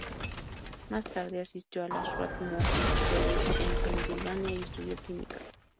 Más tarde asistió a la Swarthmore College en Pensilvania y estudió química.